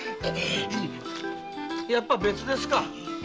やっぱり別ですか。